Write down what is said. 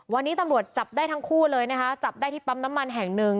วันนี้ตำรวจจับได้ทั้งคู่เลยนะคะจับได้ที่ปั๊มน้ำมันแห่งหนึ่ง